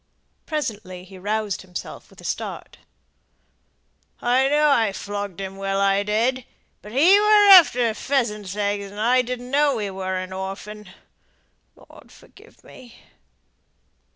Presently he roused himself with a start: "I know I flogged him well, I did. But he were after pheasants' eggs, and I didn't know he were an orphan. Lord, forgive me!"